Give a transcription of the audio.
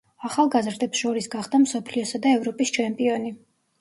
ახალგაზრდებს შორის გახდა მსოფლიოსა და ევროპის ჩემპიონი.